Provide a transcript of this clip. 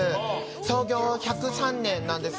創業１０３年なんです。